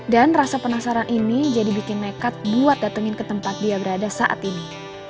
rasa penasaran ini jadi bikin nekat buat datengin ke tempat dia berada saat ini